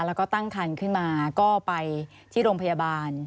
แล้วก็ตั้งคันขึ้นมาก็ไปที่โรงพยาบาล